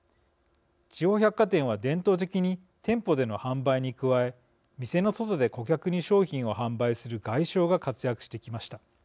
地方百貨店は、伝統的に店舗での販売に加え店の外で顧客に商品を販売する外商が活躍してきました。